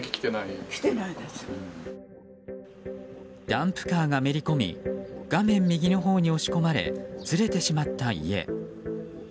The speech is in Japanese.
ダンプカーがめり込み画面右のほうに押し込まれずれてしまった家。